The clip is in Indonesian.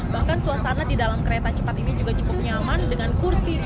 bahkan suasana di dalam kereta cepat ini juga cukup nyaman dengan kursi